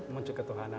menuju ke tuhan